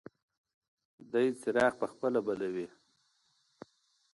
دی څراغ په خپله بلوي.